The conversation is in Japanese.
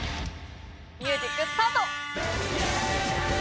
ミュージックスタート！